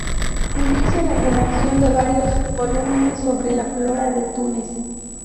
Inicia la redacción de varios volúmenes sobre la flora de Túnez.